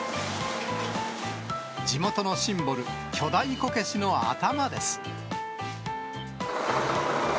地元のシンボル、巨大こけしの頭です。